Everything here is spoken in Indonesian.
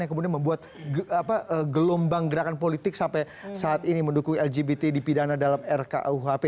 yang kemudian membuat gelombang gerakan politik sampai saat ini mendukung lgbt dipidana dalam rkuhp